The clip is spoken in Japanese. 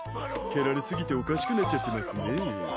蹴られすぎておかしくなっちゃってますね。